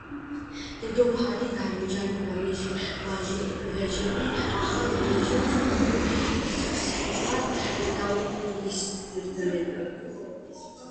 დედოფალი დარეჯანი და მისი ვაჟები ახალ რეჟიმს ოპოზიციურად დაუპირისპირდნენ.